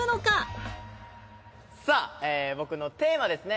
さあ僕のテーマですね。